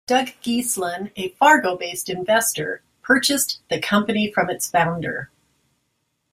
Doug Geeslin, a Fargo-based investor, purchased the company from its founder.